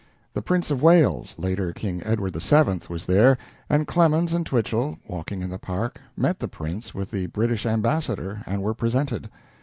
The Prince of Wales (later King Edward VII.) was there, and Clemens and Twichell, walking in the park, met the Prince with the British ambassador, and were presented.